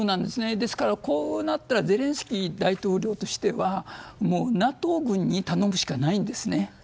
ですから、こうなったらゼレンスキー大統領としてはもうＮＡＴＯ軍に頼むしかないんですね。